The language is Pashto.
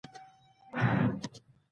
غوماشې هګۍ د اوبو په سطحه اچوي.